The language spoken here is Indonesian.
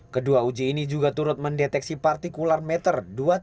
kedua uji ini juga turut mendeteksi partikular meter dua tiga